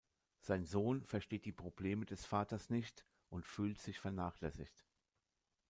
Sein Sohn versteht die Probleme des Vaters nicht und fühlt sich vernachlässigt.